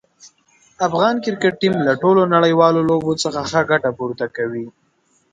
افغان کرکټ ټیم له ټولو نړیوالو لوبو څخه ښه ګټه پورته کوي.